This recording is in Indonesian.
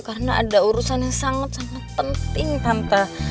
karena ada urusan yang sangat sangat penting tante